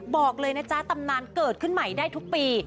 บอกเลยนะจ๊ะตำนานเกิดขึ้นใหม่ได้ทุกปี